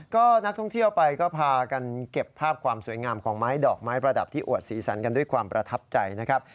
ก็นักท่องเที่ยวไปก็พากันเก็บภาพความสวยงามของไม้ดอกไม้ประดับที่อวดสีสันกันด้วยความประทับใจนะครับ